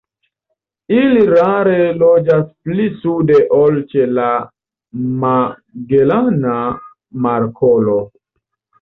Ili rare loĝas pli sude ol ĉe la Magelana Markolo.